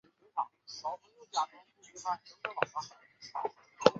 里茨兴是德国萨克森州的一个市镇。